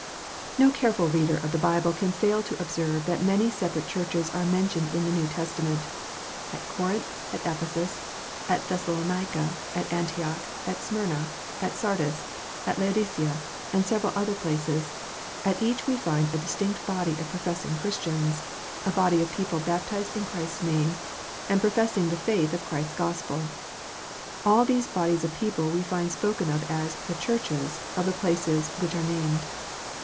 No careful reader of the Bible can fail to observe that many separate Churches are mentioned in the New Testament. At Corinth, at Ephesus, at Thessalonica, at Antioch, at Smyrna, at Sardis, at Laodicea, and several other places ; at each we find a distinct body of professing Christians, a body of people baptized in Christ s name, and professing the faith of Christ s Gospel. And these bodies of people we find spoken of as " the Churches " of the places which are named.